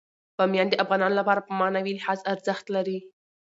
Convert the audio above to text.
بامیان د افغانانو لپاره په معنوي لحاظ ارزښت لري.